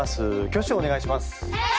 挙手をお願いします。